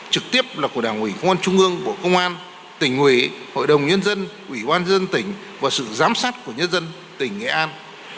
trực tiếp là của đảng ủy quan trung ương bộ công an tỉnh ủy hội đồng nhân dân ủy ban dân tỉnh và sự giám sát của nhân dân tỉnh nghệ an